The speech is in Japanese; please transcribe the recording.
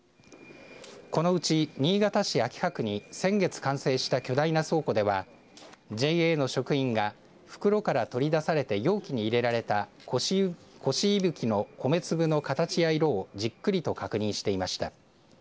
このうち新潟市秋葉区に先月完成した巨大な倉庫ではＪＡの職員が袋から取り出されて容器に入れられたこしいぶきの米粒の形や色をじっくりと確認していました。